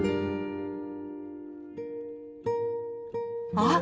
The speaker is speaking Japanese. あっ！